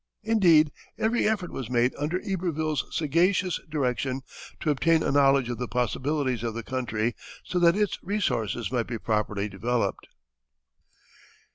Indeed, every effort was made under Iberville's sagacious direction to obtain a knowledge of the possibilities of the country, so that its resources might be properly developed.